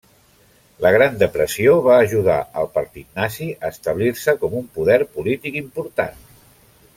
La Gran Depressió va ajudar el Partit Nazi a establir-se com un poder polític important.